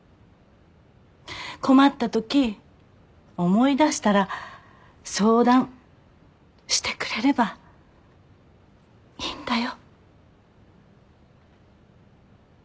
困ったとき思い出したら相談してくれればいいんだよ。